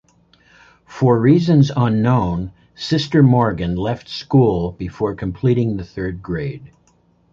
For reasons unknown, Sister Morgan left school before completing the third grade.